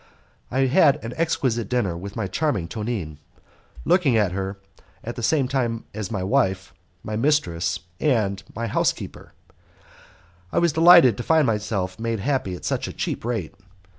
I had an exquisite dinner with my charming Tonine. Looking at her as at the same time my wife, my mistress, and my housekeeper, I was delighted to find myself made happy at such a cheap rate.